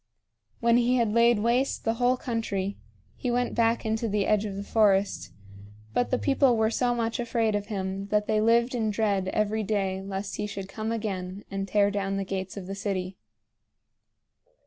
When he had laid waste the whole country he went back into the edge of the forest; but the people were so much afraid of him that they lived in dread every day lest he should come again and tear down the gates of the city.